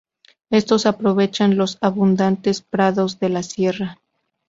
Estos aprovechan los abundantes prados de la sierra.